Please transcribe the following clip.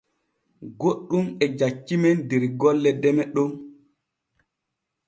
Goɗɗun e jaccimen der golle deme Ɗon.